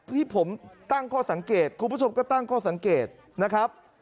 ที่ผมตั้งข้อสังเกตคุณผู้ชมก็ตั้งข้อสังเกตนะครับ